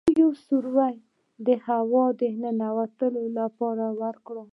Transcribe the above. دوی یو سوری د هوا د ننوتلو لپاره ورکوي.